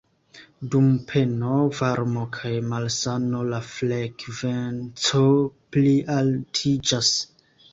Dum peno, varmo kaj malsano la frekvenco plialtiĝas.